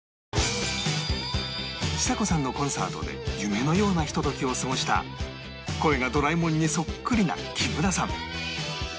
ちさ子さんのコンサートで夢のようなひとときを過ごした声がドラえもんにそっくりな木村さん